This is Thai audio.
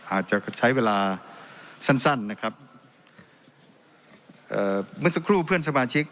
อาจจะใช้เวลาสั้นสั้นนะครับเอ่อเมื่อสักครู่เพื่อนสมาชิก